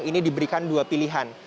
ini diberikan dua pilihan